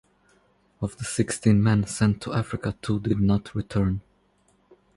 Of the sixteen men sent to Africa two did not return.